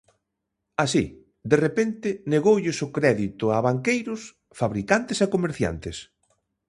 Así, de repente negoulles o crédito a banqueiros, fabricantes e comerciantes.